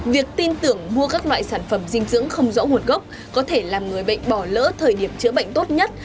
việc tin tưởng mua các loại sản phẩm dinh dưỡng không rõ nguồn gốc có thể làm người bệnh bỏ lỡ thời điểm chữa bệnh tốt nhất